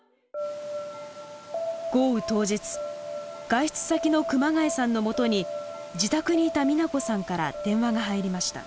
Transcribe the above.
外出先の熊谷さんのもとに自宅にいたみな子さんから電話が入りました。